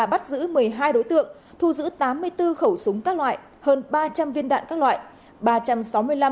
bắt giữ một mươi hai đối tượng thu giữ tám mươi bốn khẩu súng các loại hơn ba trăm linh viên đạn các loại